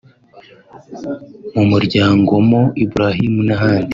mu muryango Mo Ibrahim n’ahandi